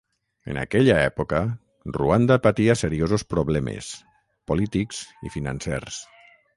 En aquella època, Ruanda patia seriosos problemes, polítics i financers.